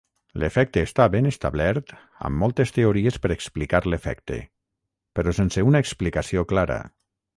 L'efecte està ben establert amb moltes teories per explicar l'efecte, però sense una explicació clara.